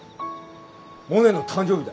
モネの誕生日だ。